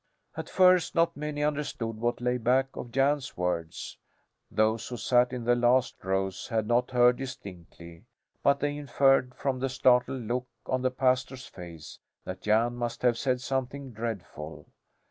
At first not many understood what lay back of Jan's words. Those who sat in the last rows had not heard distinctly, but they inferred from the startled look on the pastor's face that Jan must have said something dreadful.